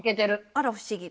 あら不思議